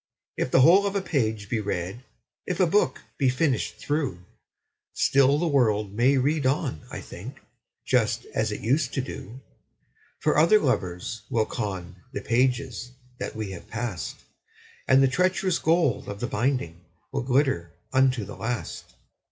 II. If the whole of a page be read, If a book be finished through, Still the world may read on, I think, Just as it used to do; For other lovers will con The pages that we have passed, And the treacherous gold of the binding Will glitter unto the last.